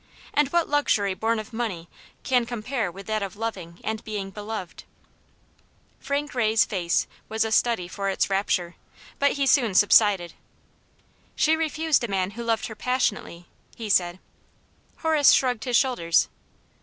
And what luxury born of money can compare with that of loving and being beloved ?" Frank Ray's face was a study for its rapture. But 'he soon subsided. " She refused a man who loved her passionately," he said. Horace shrugged his shoulders.